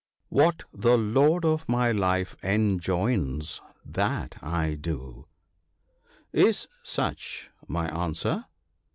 What the lord of my life enjoins, that I do." " Is such my answer